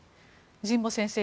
神保先生